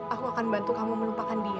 aku akan bantu kamu melupakan diri